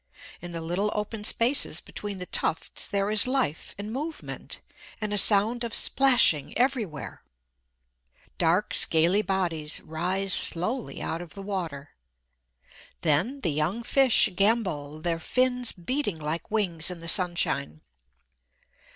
In the little open spaces between the tufts there is life and movement, and a sound of splashing everywhere; dark scaly bodies rise slowly out of the water. Then the young fish gambol, their fins beating like wings in the sunshine.